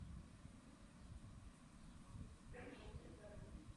Většina objektů byla patrně dřevěná.